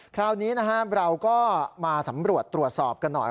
คราวนี้นะครับเราก็มาสำรวจตรวจสอบกันหน่อย